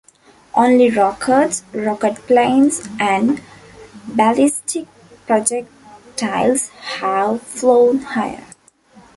Only rockets, rocket planes, and ballistic projectiles have flown higher.